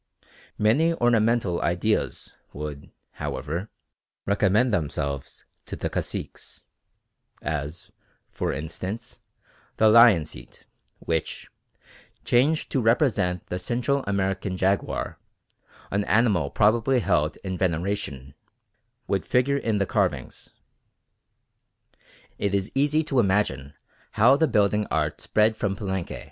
Many ornamental ideas would, however, recommend themselves to the caciques, as, for instance, the lion seat, which, changed to represent the Central American jaguar, an animal probably held in veneration, would figure in the carvings. It is easy to imagine how the building art spread from Palenque.